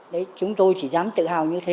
đấy chúng tôi chỉ dám tự hào như thế